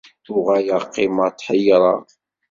Uɣaleɣ qqimeɣ tḥeyyreɣ.